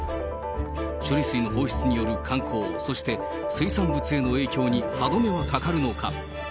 処理水の放出による観光、そして水産物への影響に歯止めはかかるのか。